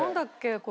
これ。